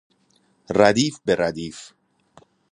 ردیف به ردیف